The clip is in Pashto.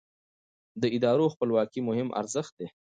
د ادارو خپلواکي مهم ارزښت دی